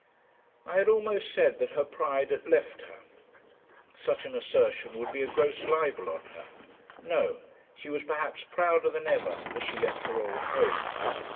I had almost said that her pride had left her. Such an assertion would be a gross libel on her. No; she was perhaps prouder than ever, as she left her old home.